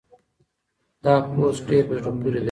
دا پوسټ ډېر په زړه پورې دی.